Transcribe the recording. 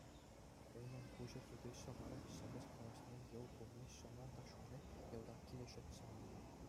Унӑн куҫӗ, тути-ҫӑварӗ, ҫепӗҫ калаҫни, йӑл кулни, ҫӑмӑл ташлани — йӑлтах килӗшетчӗ мана.